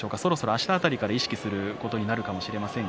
あした辺りから意識することになるでしょうか。